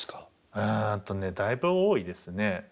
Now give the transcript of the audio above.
えっとねだいぶ多いですね。